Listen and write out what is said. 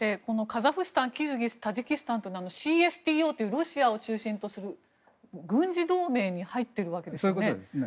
カザフスタン、キルギスタジキスタンというのはＣＳＴＯというロシアを中心とする軍事同盟に入っているわけですよね。